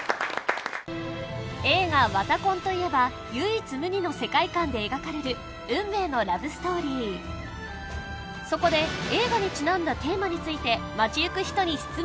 映画「わた婚」といえば唯一無二の世界観で描かれる運命のラブストーリーそこで映画にちなんだテーマについて街ゆく人に質問